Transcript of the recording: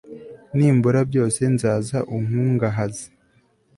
nimbura byose, nzaza unkungahaze